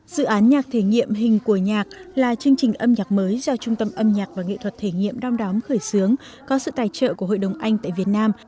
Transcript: dự án nhạc thể nghiệm hình của nhạc là chương trình âm nhạc mới do trung tâm âm nhạc và nghệ thuật thể nghiệm đong đám khởi xướng có sự tài trợ của hội đồng anh tại việt nam